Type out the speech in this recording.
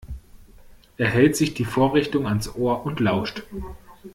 Er hält sich die Vorrichtung ans Ohr und lauscht.